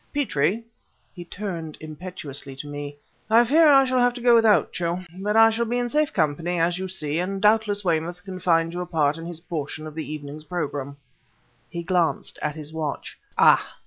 Petrie" he turned impetuously to me "I fear I shall have to go without you; but I shall be in safe company, as you see, and doubtless Weymouth can find you a part in his portion of the evening's program." He glanced at his watch. "Ah!